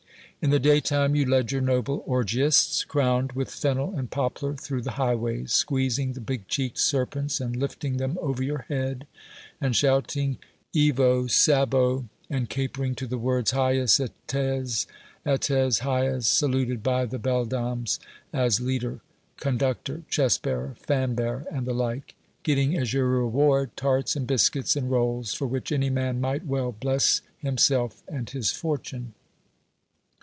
In the daytime you led your noble orgiasts, crowned with fennel and poplar, through the highways, s'lueezing the big eheekod serpents, and lifting them over your head, and shouting Evce Saboe, and capering to the words Ilyes Attes, Attes lives, saluted by the beldames as Leader, Cou durior. Chest bearer, Fan bearer, and the like, g( t ring as your reward tarts and biscuits and rolls: for which any man might well bless him self and his fortune!